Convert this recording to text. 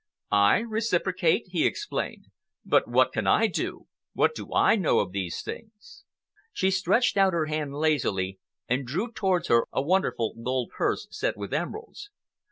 "I reciprocate!" he exclaimed. "But what can I do? What do I know of these things?" She stretched out her hand lazily, and drew towards her a wonderful gold purse set with emeralds.